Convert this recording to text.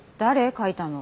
書いたの。